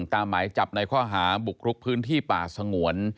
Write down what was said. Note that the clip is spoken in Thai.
หมายจับในข้อหาบุกรุกพื้นที่ป่าสงวน